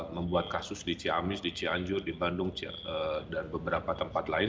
membuat kasus di ciamis di cianjur di bandung dan beberapa tempat lain